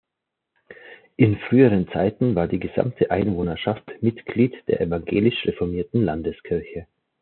In früheren Zeiten war die gesamte Einwohnerschaft Mitglied der Evangelisch-Reformierten Landeskirche.